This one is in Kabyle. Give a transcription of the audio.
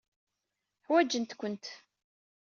Ḥwajent-kent.